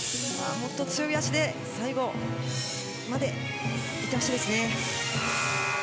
もっと強い足で最後まで行ってほしいですね。